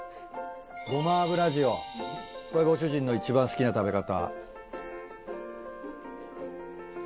ごま油塩これご主人の一番好きな食べ方。